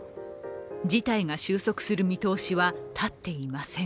事態が収束する見通しは立っていません。